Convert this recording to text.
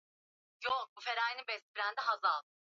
Maziwa ya Urusi hushika takriban robo ya maji